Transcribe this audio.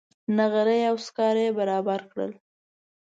نغرۍ او سکاره یې برابر کړل.